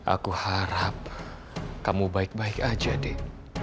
aku harap kamu baik baik aja deh